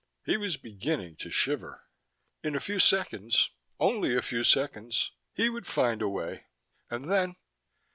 He was beginning to shiver. In a few seconds, only a few seconds, he would find the way, and then....